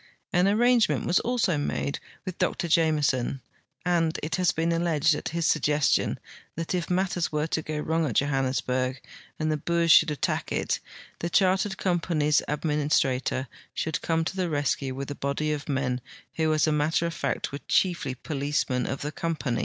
An arrangement was also made with Dr Jame son, and it lias been alleged at his suggestion, that if matters were to go wrong at Johannesburg and the Boers should attack it the Chartered Company's administrator should come to the rescue with a body of men who as a matter of fact were chiefly ]tolicemen of the compain'.